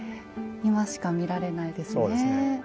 今しか見られないですねえ。